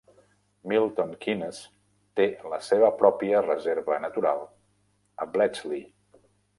Milton Keynes té la seva pròpia reserva natural a Bletchley.